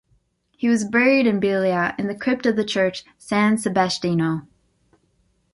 He was buried in Biella in the crypt of the church "San Sebastiano".